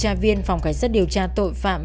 nhiều tra viên phòng khai sát điều tra tội phạm